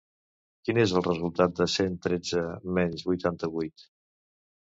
Quin és el resultat de cent tretze menys vuitanta-vuit.